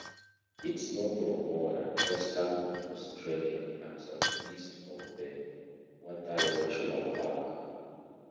It is north of Moora, Western Australia, and south-east of the Watheroo National Park.